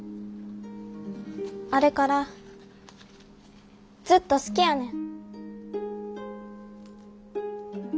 あれからずっと好きやねん。